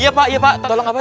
iya pak iya pak